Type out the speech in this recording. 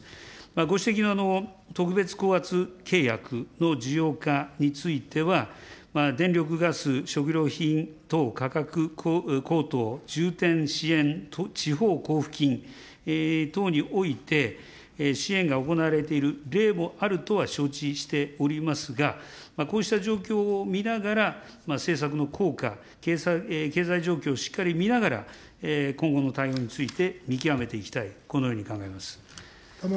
ご指摘の特別高圧契約の需要家については、電力ガス、食料品価格高騰重点支援地方交付金等において、支援が行われている例もあるとは承知しておりますが、こうした状況を見ながら、政策の効果、経済状況をしっかり見ながら、今後の対応について見極めていきたい、このように考えます。